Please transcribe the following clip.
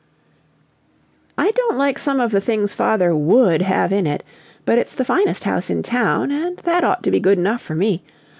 "I don't like some of the things father WOULD have in it, but it's the finest house in town, and that ought to be good enough for me!